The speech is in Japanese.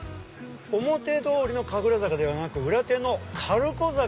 表通りの神楽坂ではなく裏手の軽子坂。